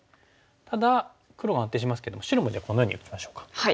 ただ黒が安定しますけど白もじゃあこのように打ちましょうか。